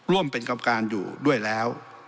ร่วมเป็นกรรมการอยู่ด้วยแล้ว